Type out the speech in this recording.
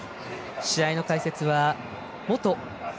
試合の解説は元